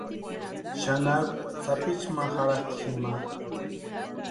Xanharu sapichu ma jarhasti jima.